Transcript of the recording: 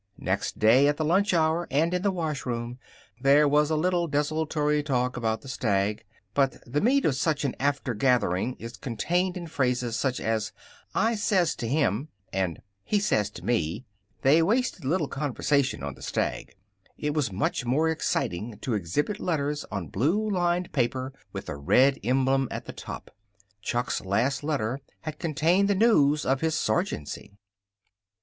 Next day, at the lunch hour and in the washroom, there was a little desultory talk about the stag. But the meat of such an aftergathering is contained in phrases such as "I says to him" and "He says to me." They wasted little conversation on the stag. It was much more exciting to exhibit letters on blue lined paper with the red emblem at the top. Chuck's last letter had contained the news of his sergeancy.